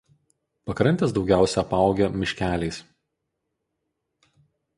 Pakrantės daugiausia apaugę miškeliais.